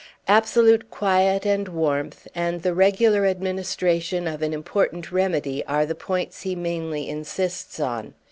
Absolute quiet and warmth and the regular administration of an important remedy are the points he mainly insists on.